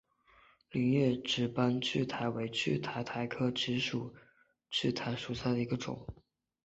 菱叶直瓣苣苔为苦苣苔科直瓣苣苔属下的一个种。